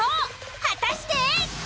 果たして！？